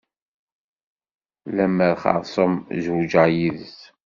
Lemer xeṛṣum zewǧeɣ yid-s.